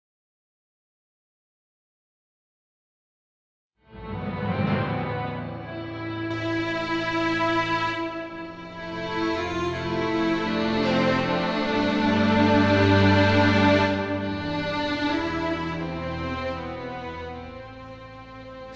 sampai jumpa lagi